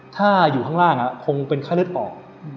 ถ้าอยู่ข้างล่างคงเป็นไข้เลือดออก